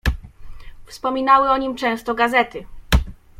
"Wspominały o nim często gazety."